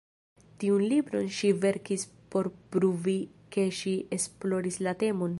Tiun libron ŝi verkis por pruvi ke ŝi esploris la temon.